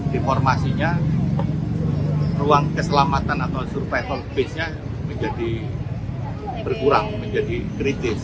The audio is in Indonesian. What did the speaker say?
deformasinya ruang keselamatan atau survival base nya menjadi berkurang menjadi kritis